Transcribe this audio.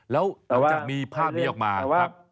แล้วจะมีภาพนี้ออกมาครับ